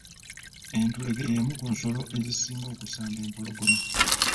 Entulege y’emu ku nsolo ezisinga okusamba empologoma.